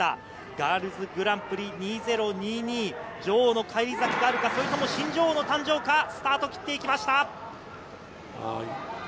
ガールズグランプリ２０２２、女王の返り咲きがあるか、それとも新女王の誕生か、スタートを切ってきました。